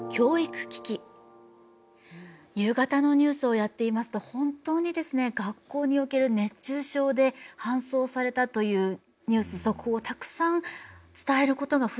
夕方のニュースをやっていますと本当に学校における熱中症で搬送されたというニュース速報をたくさん伝えることが増えました。